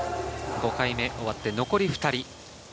５回目終わって、残り２人。